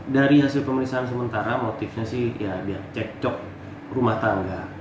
dari hasil pemeriksaan sementara motifnya sih ya biar cek cok rumah tangga